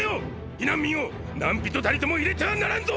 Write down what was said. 避難民を何人たりとも入れてはならんぞ！！